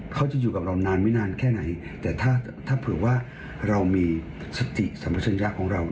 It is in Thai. เขาจะอยู่กับเรานานไม่นานแค่ไหนแต่ถ้าถ้าเผื่อว่าเรามีสติสัมปัชญะของเรา